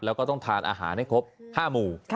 แล้วก็ต้องทานอาหารให้ครบ๕หมู่